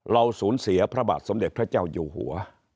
เราสูญเสียพระบาทสมเด็จพระเจ้าอยู่หัว